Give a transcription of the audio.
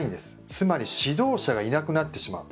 つまり指導者がいなくなってしまう。